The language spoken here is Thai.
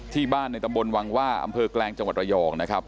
ที่บ้านในตำบลวังว่าอำเภอแกลงจังหวัดระยองนะครับ